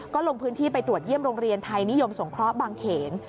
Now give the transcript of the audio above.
ก็ลงพื้นที่ไปตรวจเยี่ยมโรงเรียนไทยนิยมสงเคราะห์บางเขน